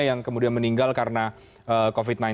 yang kemudian meninggal karena covid sembilan belas